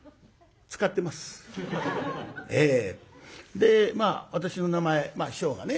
でまあ私の名前師匠がね